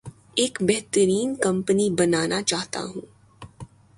ایک بہترین کمپنی بنانا چاہتا ہوں